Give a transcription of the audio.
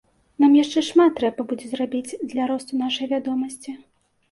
Нам яшчэ шмат трэба будзе зрабіць для росту нашай вядомасці.